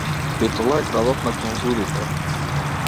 Битола е градот на конзулите.